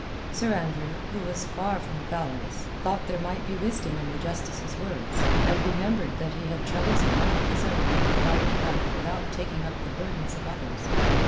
Sir Andrew, who was far from valorous, thought there might be wisdom in the Justice's words, and remembered that he had troubles enough of his own with a froward wife without taking up the burdens of others.